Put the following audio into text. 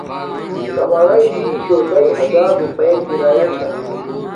کمراݵ بیشوہ دیݵ ہزار روپیے کیرایا چھاہ